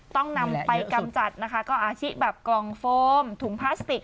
ต้องนำไปกำจัดนะคะก็อาชิแบบกล่องโฟมถุงพลาสติก